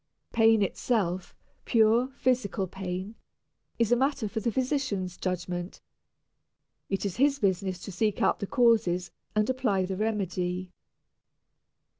Pain itself pure physical pain is a matter for the physician's judgment. It is his business to seek out the causes and apply the remedy.